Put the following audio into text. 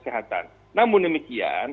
dengan menggunakan protokol kesehatan